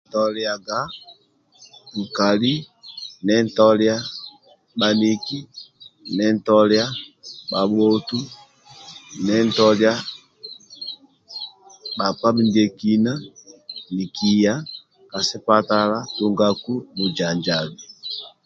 Nintoliaga nkali nintoliaga bhaniki nintoliaga bhabhotu nintoliaga bhakpa mindiekina nikiya ka sipatala tungaku bujanjabi